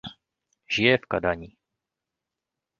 Žije v Kadani.